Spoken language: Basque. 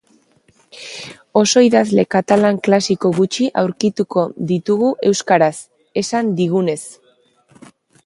Oso idazle katalan klasiko gutxi aurkituko ditugu euskaraz, esan digunez.